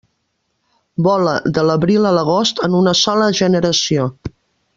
Vola de l'abril a l'agost en una sola generació.